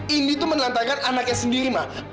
indi tuh menelantarkan anaknya sendiri mak